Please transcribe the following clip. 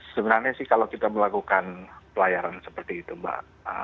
sebenarnya sih kalau kita melakukan pelayaran seperti itu mbak